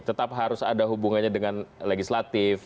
tetap harus ada hubungannya dengan legislatif